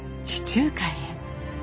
地中海へ。